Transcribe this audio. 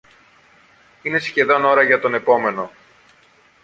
Είναι σχεδόν ώρα για τον επόμενο